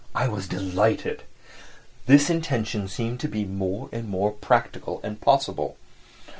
I was delighted. This intention seemed to me more and more practical and possible.